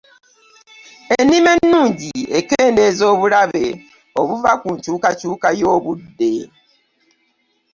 Ennima ennungi ekendeeza obulabe obuva ku nkyukakyuka y’obudde.